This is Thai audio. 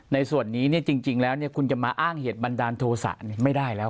ในส่วนนี้เนี่ยจริงแล้วเนี่ยคุณจะมาอ้างเหตุบันดากฐูสอไม่ได้แล้ว